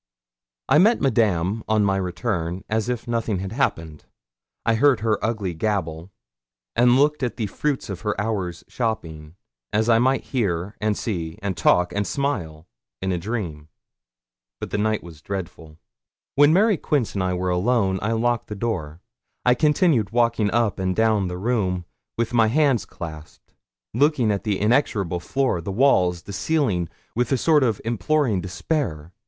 I met Madame on my return as if nothing had happened. I heard her ugly gabble, and looked at the fruits of her hour's shopping, as I might hear, and see, and talk, and smile, in a dream. But the night was dreadful. When Mary Quince and I were alone, I locked the door. I continued walking up and down the room, with my hands clasped, looking at the inexorable floor, the walls, the ceiling, with a sort of imploring despair.